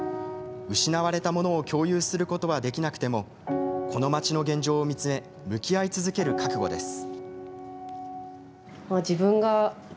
失われたものを共有することはできなくてもこの町の現状を見つめ向き合い続ける覚悟です。